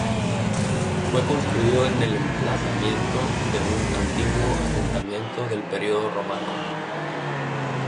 Fue construido en el emplazamiento de un antiguo asentamiento del periodo romano.